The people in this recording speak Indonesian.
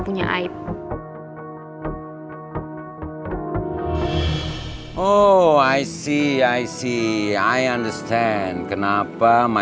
iya pak kita tau kita salah